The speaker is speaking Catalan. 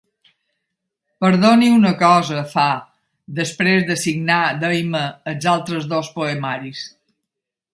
Perdoni una cosa —fa, després de signar d'esma els altres dos poemaris—.